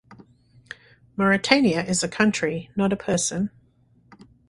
Mauritania is a country, not a person.